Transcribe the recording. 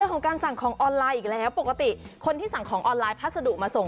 เรื่องของการสั่งของออนไลน์อีกแล้วปกติคนที่สั่งของออนไลน์พัสดุมาส่ง